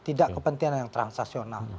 tidak kepentingan yang transasional